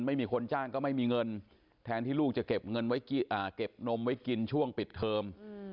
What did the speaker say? ไม่มีคนจ้างก็ไม่มีเงินแทนที่ลูกจะเก็บนมไว้กินช่วงปิดเทอม